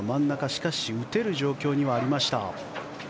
しかし打てる状況にはありました。